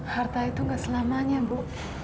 harta itu nggak selamanya bu